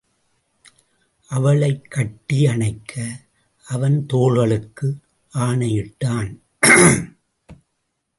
அவளைக் கட்டி அணைக்க அவன் தோள்களுக்கு ஆணையிட்டான்.